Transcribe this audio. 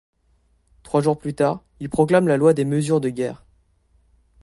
Trois jours plus tard, il proclame la Loi des mesures de guerre.